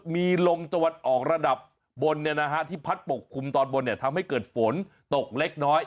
มีลมตะวันออกระดับบนที่พัดปกคลุมตอนบนทำให้เกิดฝนตกเล็กน้อย